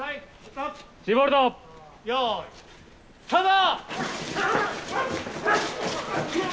よいスタート！